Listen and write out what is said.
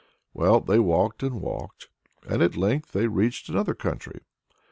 Well, they walked and walked, and at length they reached another country.